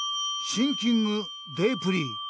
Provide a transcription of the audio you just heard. シンキングデープリー。